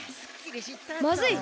まずい！